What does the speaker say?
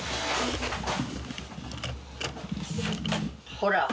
ほら。